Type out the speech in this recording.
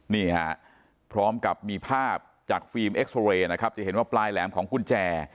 นี่ฮะพร้อมกับมีภาพจากฟิล์มเอ็กซอเรย์นะครับจะเห็นว่าปลายแหลมของกุญแจ